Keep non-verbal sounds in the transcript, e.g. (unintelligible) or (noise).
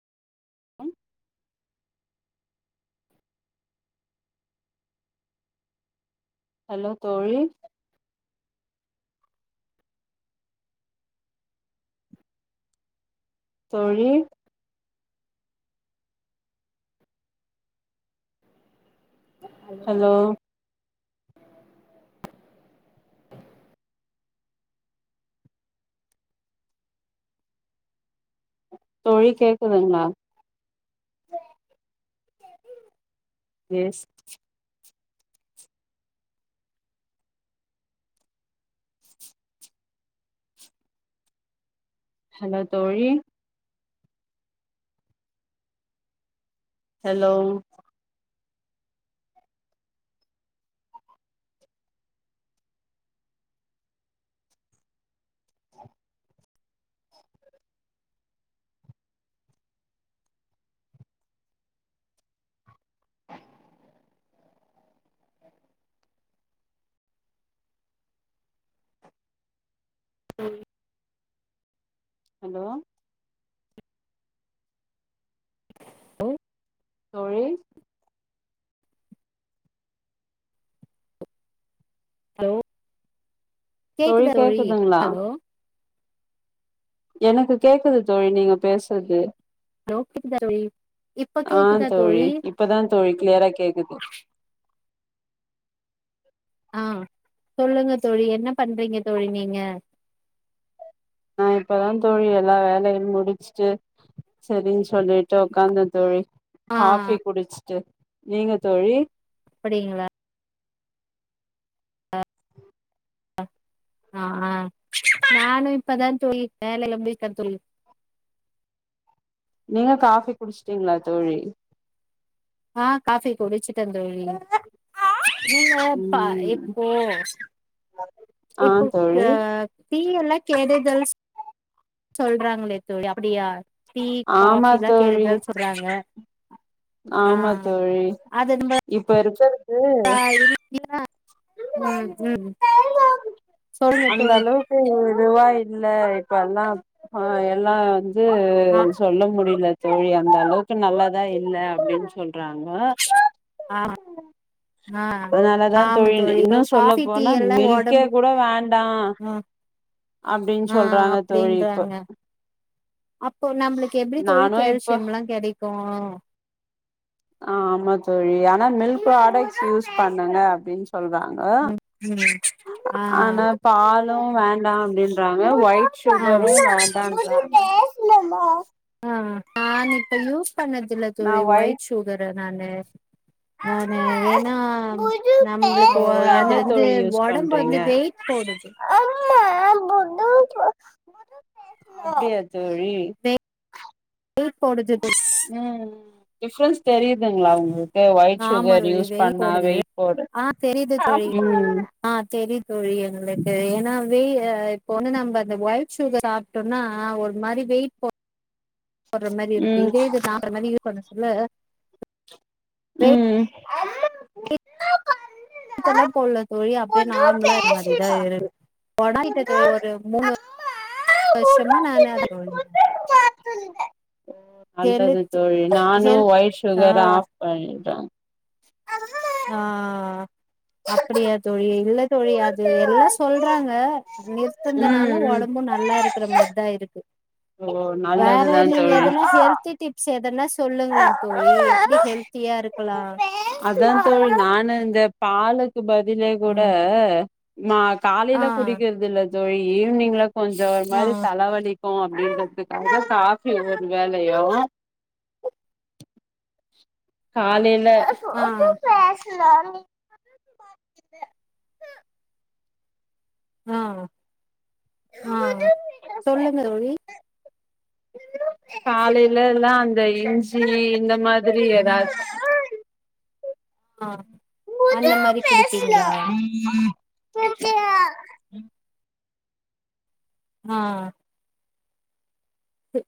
ம் ஹலோ தோழி தோழி ஹலோ தோழி கேக்குதுங்ளா எஸ் ஹலோ தோழி ஹலோ ம் ஹலோ ஹலோ தோழி ஹலோ தோழி கேக்குதுங்களா ஹலோ எனக்கு கேக்குது தோழி நீங்க பேசுறது ஹலோ கேக்குதா தோழி இப்ப கேக்குதா தோழி இப்பதா தோழி கிளியரா கேக்குது ஆ சொல்லுங்க தோழி என்ன பண்றீங்க தோழி நீங்க நா இப்பதா தோழி எல்லா வேலையு முடிச்ட்டு செரின் சொல்லிட்டு உக்காந்த தோழி ஆ காஃபி குடிச்சுட்டு நீங்க தோழி அப்படிங்களா ஆ ஆ நானு இப்பதா தோழி வேலல்லா முடிச்ச தோழி நீங்க காஃபி குடிச்ட்டீங்ளா தோழி ஆ காஃபி குடிச்சுட்டேந் தோழி நீங்கப்பா ம் இப்போ ஆ இப்போ தோழி டீ யெல்லா கெடுதல்ஸ் சொல்றாங்களே தோழி அப்டியா டீ ஆமா காஃபிலா தோழி கெடுதல் சொல்றாங்க ஆ ஆமா தோழி இப்ப இருக்க ஆ (unintelligible) ம் ம் சொல்லுங்க அந்த தோழி அளவுக்கு இதுவா இல்ல இப்ப எல்லா எல்லா வந்து ஆ சொல்ல முடியில தோழி அந்த அளவுக்கு நல்லாதா இல்ல அப்டின் சொல்றாங்க ஆ (inaudible) ஆ அதனாலதா ஆமா தோழி இன்னு சொல்ல காஃபி டீ போனா எல்லா மில்கே ஒடம்புக் கூட வேண்டா அ அப்டின்னு ஆ சொல்றாங்க தோழி இப்ப அப்டின்றாங்க அப்போ நம்புளுக்கு எப்டி தோழி நானு இப்ப கேல்சியம்லா கெடைக்கூ ஆ ஆமா தோழி ஆனா மில்க் ப்ராடக்ட்ஸ் யூஸ் பண்ணுங்க அப்டின் சொல்றாங்க ம் ம் அ ஆ ஆன பாலு வேண்டா அப்டின்றாங்க ஒய்ட் ஆ சுகரு வேண்டான்றாங்க ஆ நா இப்ப யூஸ் பண்ணதுல்ல தோழி ஒயிட் சுகர் அ நானு நானு ஏன்னா நம்ப்ளுக்கு ஓ அது என்ன வந்து தோழி யூஸ் ஒடம்பு பண்றீங்க வந்து வெயிட் போடுது அப்டியா தோழி வெயிட் போடுது தோழி ம் டிஃப்ரன்ஸ் தெரியுதுங்ளா உங்களுக் கு ஒயிட் ஆமா சுகர் தோழி யூஸ் வெயிட் பண்ணா போடுது வெயிட் போடு ஆ தெரியுது தோழி ம் ஆ தெரியு தோழி எங்ளுக்கு ஏன்னா வெயி இப்ப ஒண்ணு நம்ப அந்த ஒயிட் சுகர் சாப் ட்டோன்னா ஒரு மாரி வெயிட் போட் போட்ற மாரி இருக்கு ம் இதே இது (unintelligible) மாரி யூஸ் பண்ண சொல்ல ம் ட்டல்லா போல்ல தோழி அப்டியே புது நார்மலா இருந்த மாதிரிதா பேசுனோ இருக்கு (unintelligible) மூனு வருஷமா நானு ஓ நல்லது ஹெல்த் தோழி நானு ஹெல்த் ஒயிட் ஆ சுகர ஆஃப் பண்ணிட்டோ ஆ அப்டியா தோழி இல்ல தோழி அது எல்லா சொல்றாங்க நிறுத் ந்தனால ம் ம் ஒடம்பு நல்லா இருக்கிற மாரிதா இருக்கு ஓ வேற நல்லதுதா நீங்க எதனா தோழி ஹெல்த்தி டிப் ஸ் எதனா சொல்லுங்ளே தோழி எப்டி ஹெல்த்தியா இருக்கலா அதாந் தோழி நானு இந்த பாலுக்கு பதிலே கூட ம் மா ஆ காலைல குடிக்கிறது இல்ல தோழி ஈவினிங்ல கொஞ்சோ ஒரு ஆ மாதிரி தலவலிக் கோ அப்டின்றதுக்காக காஃபி ஒரு வேலயு காலைல ஆ பேசலான் நீ (inaudible) ஆ ஆ சொல்லுங்க தோழி காலைலலா அந்த இஞ்சி இந்த மாதிரி எதாச்சு ஆ அந்த முது மாரி பேச்ணு குடிப்பீங்களா (unintelligible) ஆ